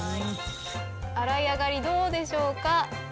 洗い上がりどうでしょうか？